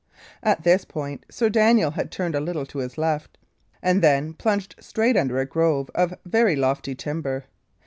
At this point Sir Daniel had turned a little to his left, and then plunged straight under a grove of very lofty timber.